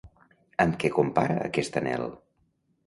Amb què compara aquest anhel?